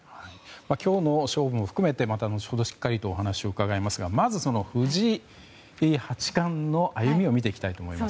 今日の勝負も含めてまた後ほどしっかりとお話を伺いますがまず、藤井八冠の歩みを見ていきたいと思います。